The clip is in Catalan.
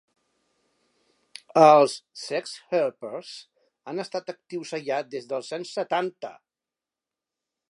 Els "Sex Helpers" han estat actius allà des dels anys setanta.